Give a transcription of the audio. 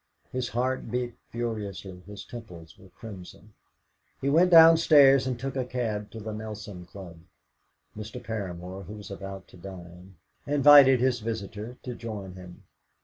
His heart beat furiously, his temples were crimson. He went downstairs, and took a cab to the Nelson Club. Mr. Paramor, who was about to dine, invited his visitor to join him.